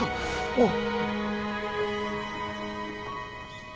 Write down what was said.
おう。